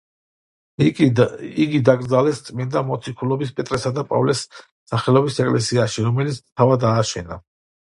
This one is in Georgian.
იგი დაკრძალეს წმინდა მოციქულების პეტრესა და პავლეს სახელობის ეკლესიაში, რომელიც თავად ააშენა.